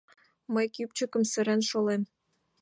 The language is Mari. Мый кӱпчыкым сырен шолем!